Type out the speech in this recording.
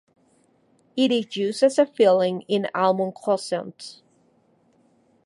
It is used as a filling in almond "croissants".